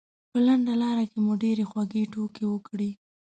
په لنډه لاره کې مو ډېرې خوږې ټوکې وکړې.